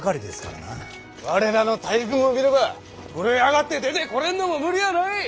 我らの大軍を見れば震え上がって出てこれんのも無理はない。